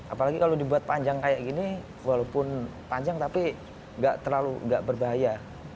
apalagi kalau dibuat panjang kayak gini walaupun panjang tapi nggak terlalu nggak berbahaya